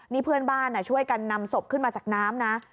นี่เพื่อนบ้านช่วยกันนำศพขึ้นมาจากน้ำนะ